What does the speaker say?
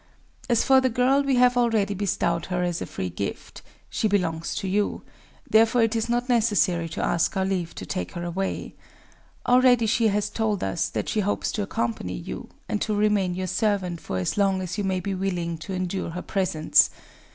As for the girl, we have already bestowed her as a free gift;—she belongs to you: therefore it is not necessary to ask our leave to take her away. Already she has told us that she hopes to accompany you, and to remain your servant for as long as you may be willing to endure her presence.